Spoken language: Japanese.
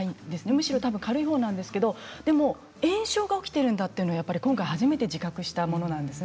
むしろ軽いほうなんですけどでも炎症が起きているんだというのは今回、初めて自覚したものなんです。